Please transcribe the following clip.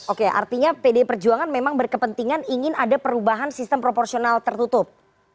oke artinya pdi perjuangan memang berkepentingan ingin ada perubahan sistem proporsional tertutup pada pemilu dua ribu dua puluh empat